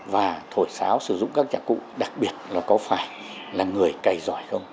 và thổi sáo sử dụng các nhạc cụ đặc biệt là có phải là người cày giỏi không